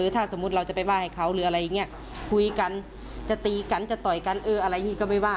ถ้าสมมุติเราจะไปว่าให้เขาหรืออะไรอย่างนี้คุยกันจะตีกันจะต่อยกันเอออะไรอย่างนี้ก็ไม่ว่า